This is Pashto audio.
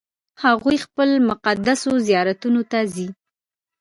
هغوی خپلو مقدسو زیارتونو ته ځي.